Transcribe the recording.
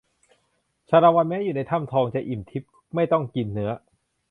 ชาละวันแม้อยู่ในถ้ำทองจะอิ่มทิพย์ไม่ต้องกินเนื้อ